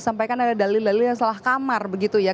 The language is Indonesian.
sampaikan ada dalil dalil yang salah kamar begitu ya